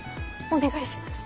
お願いします。